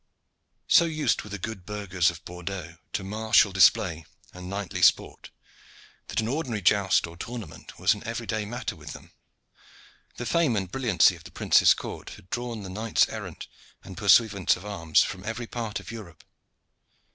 So used were the good burghers of Bordeaux to martial display and knightly sport, that an ordinary joust or tournament was an everyday matter with them. The fame and brilliancy of the prince's court had drawn the knights errant and pursuivants of arms from every part of Europe.